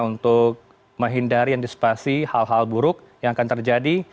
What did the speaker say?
untuk menghindari antisipasi hal hal buruk yang akan terjadi